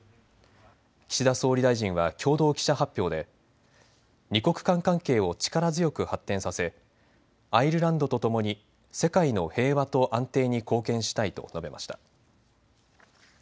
岸田総理大臣は共同記者発表で２国間関係を力強く発展させアイルランドとともに世界の平和と安定に貢献したいと述べました。